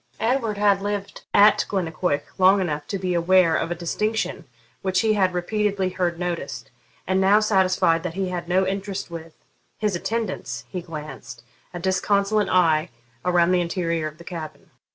Edward had lived at Glennaquoich long enough to be aware of a distinction which he had repeatedly heard noticed, and now satisfied that he had no interest with his attendants, he glanced a disconsolate eye around the interior of the cabin.